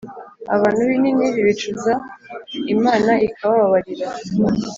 abantu b’i ninivi bicuza, imana ikabababarira